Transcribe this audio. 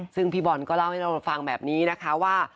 ซึ่งพี่บอลก็เล่าให้เราฟังแบบนี้นะคะว่า